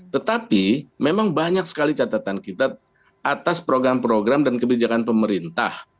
tetapi memang banyak sekali catatan kita atas program program dan kebijakan pemerintah